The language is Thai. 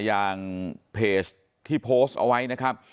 อย่างเพจที่โพสต์เอาไว้นะครับ